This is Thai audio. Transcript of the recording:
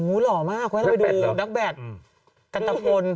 อู๋หล่อมากแม่ต้องไปดูนักแบต